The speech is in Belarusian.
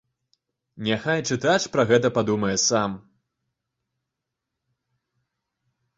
Няхай чытач пра гэта падумае сам.